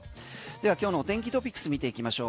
では今日の天気トピックス見ていきましょう。